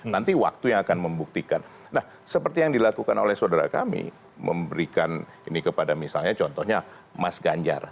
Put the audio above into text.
nanti waktu yang akan membuktikan nah seperti yang dilakukan oleh saudara kami memberikan ini kepada misalnya contohnya mas ganjar